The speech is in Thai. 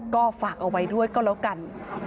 ก็ฝากเอาไว้ด้วยก็แล้วกัน